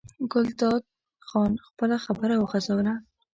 ګلداد خان خپله خبره وغځوله.